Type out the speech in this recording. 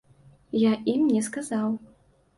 Я ім не сказаў.